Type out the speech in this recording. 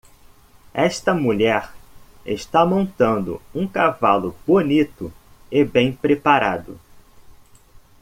Esta mulher está montando um cavalo bonito e bem preparado.